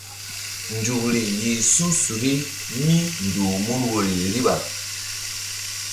Nzukri yih su̧suki míndoh mun woyri riɓa.